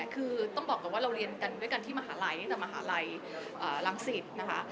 คือต้องบอกก่อนว่าเราเรียนกันด้วยกันที่มหาลัยตั้งแต่มหาลัยรังสิตนะคะ